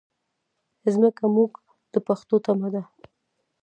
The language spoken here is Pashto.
مځکه زموږ د پښو تمه ده.